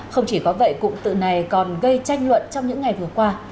không chỉ có vậy cụm tự này còn gây tranh luận trong những ngày vừa qua